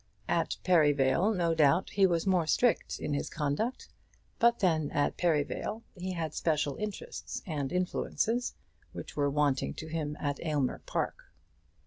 At Perivale no doubt he was more strict in his conduct; but then at Perivale he had special interests and influences which were wanting to him at Aylmer Park.